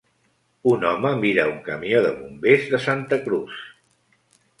Un home mira un camió de bombers de Santa Cruz.